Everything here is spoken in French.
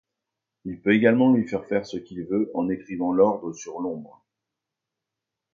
Il peut également lui faire faire ce qu’il veut en écrivant l’ordre sur l’ombre.